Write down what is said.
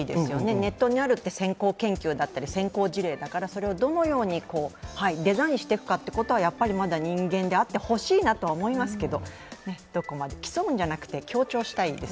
ネットにあるって先行研究だったり先行事例だからそれをどのようにデザインしていくかということはやっぱりまだ人間であってほしいなとは思いますけど。